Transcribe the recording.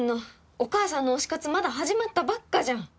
お母さんの推し活まだ始まったばっかじゃん！